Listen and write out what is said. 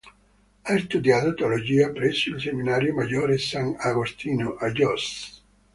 Ha studiato teologia presso il seminario maggiore "Sant'Agostino" a Jos.